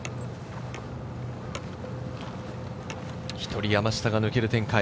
１人、山下が抜ける展開。